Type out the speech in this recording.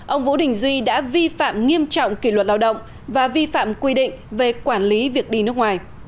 ông vũ đình duy đã vi phạm nghiêm trọng kỷ luật lao động và vi phạm quy định về quản lý việc đi nước ngoài